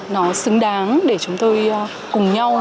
nó xứng đáng để chúng tôi cùng nhau